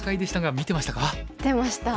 見てました。